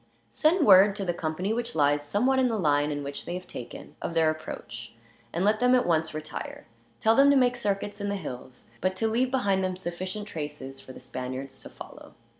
"Send word, to the company which lies somewhat in the line which they have taken, of their approach; and let them at once retire. Tell them to make circuits in the hills, but to leave behind them sufficient traces for the Spaniards to follow.